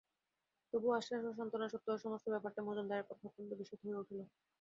তবু আশ্বাস ও সান্ত্বনা সত্ত্বেও সমস্ত ব্যাপারটা মজুমদারের পক্ষে অত্যন্ত বিস্বাদ হয়ে উঠল।